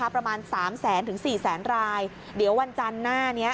ประมาณสามแสนถึงสี่แสนรายเดี๋ยววันจันทร์หน้านี้